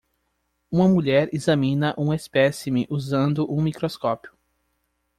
Uma mulher examina um espécime usando um microscópio